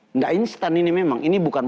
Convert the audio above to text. tidak instan ini memang ini bukan